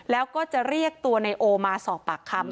แล้วก็จะเรียกตัวนายโอมาสอบปากคำ